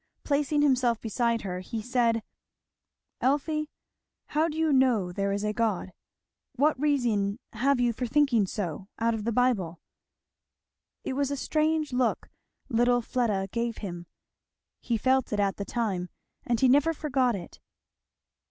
Placing himself beside her, he said, "Elfie, how do you know there is a God? what reason have you for thinking so, out of the Bible?" It was a strange look little Fleda gave him. He felt it at the time, and he never forgot it.